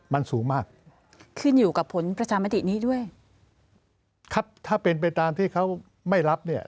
มันสูงมากขึ้นอยู่กับผลประชามตินี้ด้วยครับถ้าเป็นไปตามที่เขาไม่รับเนี่ย